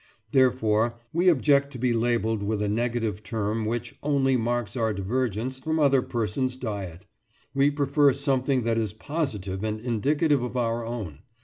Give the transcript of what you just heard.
Therefore we object to be labelled with a negative term which only marks our divergence from other persons' diet; we prefer something that is positive and indicative of our own.